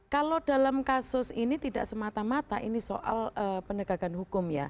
kalau dalam kasus ini tidak semata mata ini soal penegakan hukum ya